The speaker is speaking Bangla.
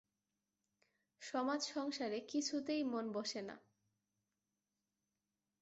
সমাজ-সংসার কিছুতেই মন বসে না।